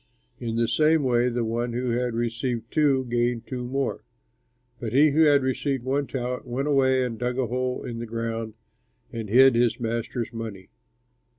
In the same way the one who had received two gained two more. But he who had received one talent went away and dug a hole in the ground and hid his master's money.